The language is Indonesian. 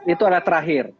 itu adalah terakhir